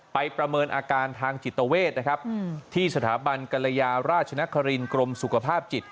ประเมินอาการทางจิตเวทนะครับที่สถาบันกรยาราชนครินกรมสุขภาพจิต